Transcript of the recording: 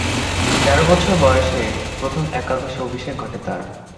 তেরো বছর বয়সে প্রথম একাদশে অভিষেক ঘটে তার।